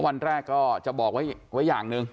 วันแรกก็จะบอกไว้อย่างหนึ่ง